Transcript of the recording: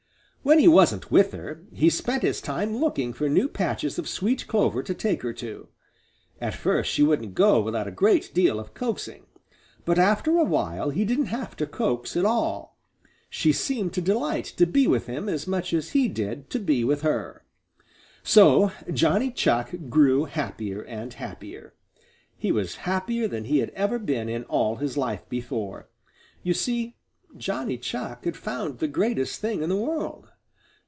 When he wasn't with her, he spent his time looking for new patches of sweet clover to take her to. At first she wouldn't go without a great deal of coaxing, but after a while he didn't have to coax at all. She seemed to delight to be with him as much as he did to be with her. So Johnny Chuck grew happier and happier. He was happier than he had ever been in all his life before. You see Johnny Chuck had found the greatest thing in the world.